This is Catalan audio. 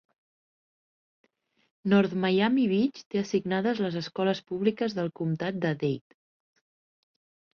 North Miami Beach té assignades les escoles públiques del comtat de Dade.